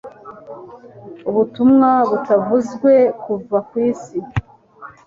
Ubutumwa butavuzwe buva kwisi